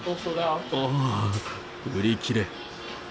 ああ、売り切れ。